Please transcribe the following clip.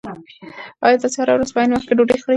ایا تاسي هره ورځ په عین وخت کې ډوډۍ خورئ؟